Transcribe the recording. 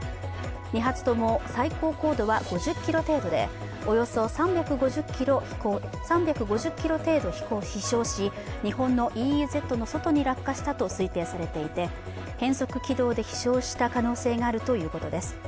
２発とも最高高度は５０ｋｍ程度でおよそ３５０ｋｍ程度飛翔し日本のＥＥＺの外に落下したと推定されていて変則軌道で飛しょうした可能性があるということです。